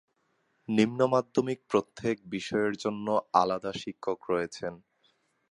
নিম্ন মাধ্যমিক প্রত্যেক বিষয়ের জন্য আলাদা শিক্ষক রয়েছে।